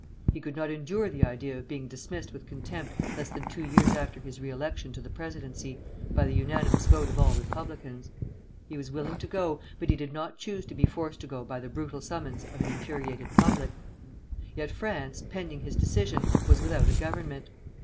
He could not endure the idea of being dismissed with contempt less than two years after his re election to the presidency by the unanimous vote of all Republicans. He was willing to go, but he did not choose to be forced to go by the brutal summons of an infuriated public. Yet France, pending his decision, was without a government.